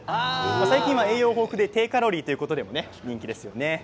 最近は栄養豊富で低カロリーということで人気ですね。